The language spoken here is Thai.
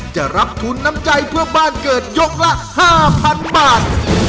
จะรับทุนน้ำใจเพื่อบ้านเกิดยกละ๕๐๐๐บาท